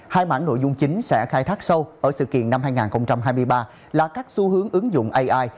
hai mảng nội dung chính sẽ khai thác sâu ở sự kiện năm hai nghìn hai mươi ba là các xu hướng ứng dụng ai